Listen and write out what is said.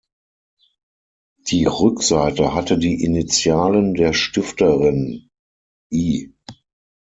Die Rückseite hatte die Initialen der Stifterin „I.